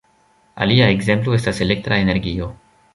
Alia ekzemplo estas elektra energio.